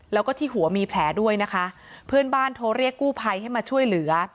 แล้วก็ที่หัวมีแผลด้วยนะคะเพื่อนบ้านโทรเรียกกู้ภัยให้มาช่วยเหลือ